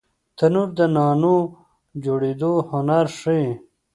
تنور د نانونو جوړېدو هنر ښيي